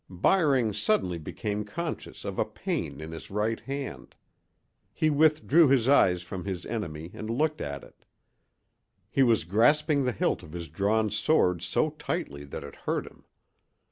Byring suddenly became conscious of a pain in his right hand. He withdrew his eyes from his enemy and looked at it. He was grasping the hilt of his drawn sword so tightly that it hurt him.